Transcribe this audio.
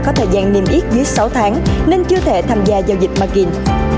có thời gian niêm yết dưới sáu tháng nên chưa thể tham gia giao dịch margin